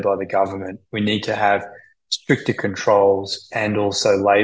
kita sedang melakukan eksperimen yang berbahaya